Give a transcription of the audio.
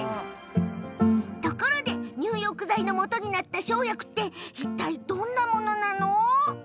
ところで、入浴剤のもとになった生薬って、いったいどんなものなの？